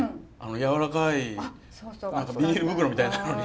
軟らかいビニール袋みたいなのに。